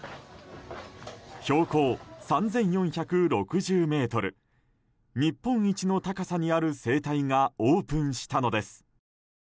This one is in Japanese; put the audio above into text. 標高３４６０ｍ日本一の高さにある整体がオープンしたのです。